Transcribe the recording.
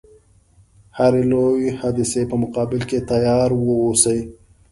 هري لويي حادثې په مقابل کې تیار و اوسي.